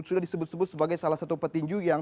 sudah disebut sebut sebagai salah satu petinju yang